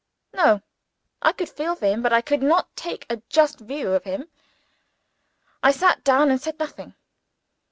No! I could feel for him, but I could not take a just view of him. I sat down, and said nothing.